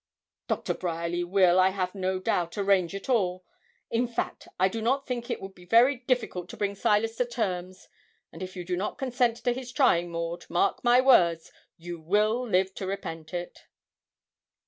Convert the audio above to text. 'Doctor Bryerly will, I have no doubt, arrange it all. In fact, I do not think it would be very difficult to bring Silas to terms; and if you do not consent to his trying, Maud, mark my words, you will live to repent it.'